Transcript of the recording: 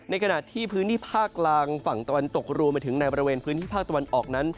ขณะที่พื้นที่ภาคกลางฝั่งตะวันตกรวมไปถึงในบริเวณพื้นที่ภาคตะวันออกนั้น